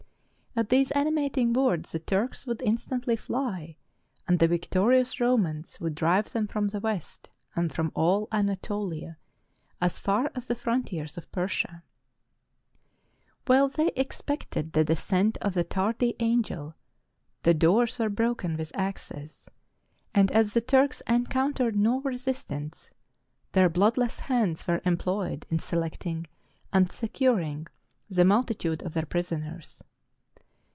At these animating words, the Turks would instantly fly, and the victorious Romans would drive them from the West, and from all AnatoHa, as far as the frontiers of Persia, While they expected the descent of the tardy angel, the doors were broken with axes; and as the Turks en countered no resistance, their bloodless hands were em ployed in selecting and securing the multitude of their prisoners.